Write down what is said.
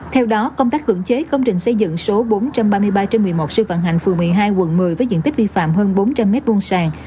theo đó công tác cưỡng chế công trình xây dựng số bốn trăm ba mươi ba trên một mươi một sư vạn hạnh phường một mươi hai quận một mươi với diện tích vi phạm hơn bốn trăm linh m hai sàng